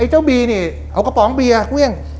ไอเจ้าบีนี่เอากระป๋องเบี้ยเผี่ย